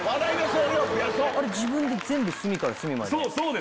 自分で全部隅から隅まで？